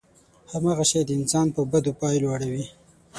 هماغه شی انسان په بدو پايلو اړوي.